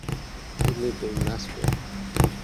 He lived in Nashville.